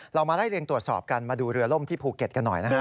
เรามาไล่เรียงตรวจสอบกันมาดูเรือล่มที่ภูเก็ตกันหน่อยนะฮะ